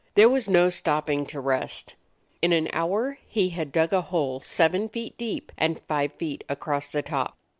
There was no stopping to rest. In an hour he had dug a hole seven feet deep and five feet across the top.